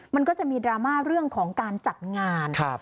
มันก็จะมีดราม่าเรื่องของการจัดงาน